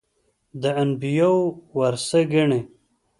د انبیاوو ورثه ګڼي.